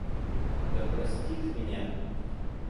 Да простит меня...